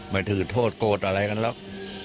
ไม่ถือโทษโกรธอะไรกันหรอก